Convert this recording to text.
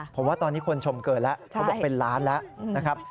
ผมว่าตอนนี้คนชมเกินแล้วเขาบอกเป็นล้านแล้วนะครับ